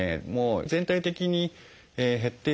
全体的に減ってしまっている。